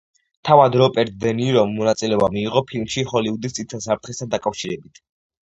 თავად რობერტ დე ნირომ მონაწილეობა მიიღო ფილმში ჰოლივუდის წითელ საფრთხესთან დაკავშირებით.